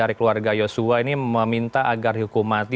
yang meminta agar dihukum mati